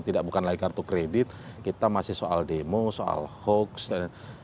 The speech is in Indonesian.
tidak bukan lagi kartu kredit kita masih soal demo soal hoax dan lain lain